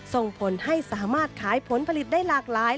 ส่งผลให้สามารถขายผลผลิตได้หลากหลาย